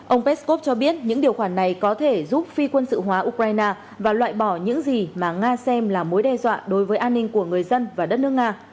ông peskov cho biết những điều khoản này có thể giúp phi quân sự hóa ukraine và loại bỏ những gì mà nga xem là mối đe dọa đối với an ninh của người dân và đất nước nga